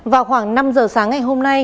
vào khoảng năm giờ sáng ngày hôm nay